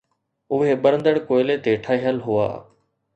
اهي ٻرندڙ ڪوئلي تي ٺهيل هئا.